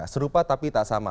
serupa tapi tak sama